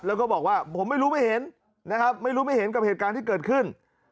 แล้วก็บอกว่าผมไม่รู้ไม่เห็นนะครับไม่รู้ไม่เห็นกับเหตุการณ์ที่เกิดขึ้น